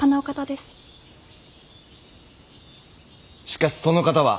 しかしその方は。